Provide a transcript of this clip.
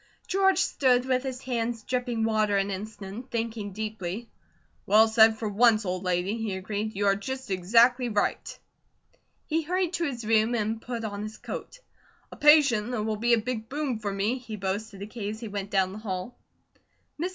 George stood with his hands dripping water an instant, thinking deeply. "Well said for once, old lady," he agreed. "You are just exactly right." He hurried to his room, and put on his coat. "A patient that will be a big boom for me," he boasted to Kate as he went down the hall. Mrs.